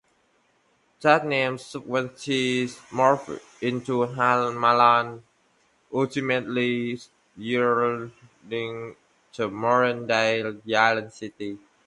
That name subsequently morphed into "Hamalan", ultimately yielding the modern-day "Yilan City".